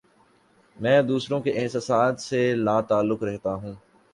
میں دوسروں کے احساسات سے لا تعلق رہتا ہوں